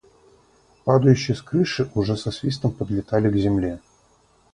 Падающие с крыши уже со свистом подлетали к земле.